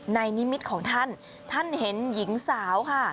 ในนิมิตของท่านท่านเห็นหญิงสาวค่ะ